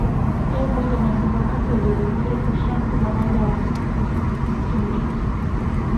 É moito máis importante o libro de Pedro Forxán que Manual de resistencia, señorías.